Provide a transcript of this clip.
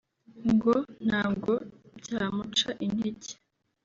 ngo ntabwo byamuca intege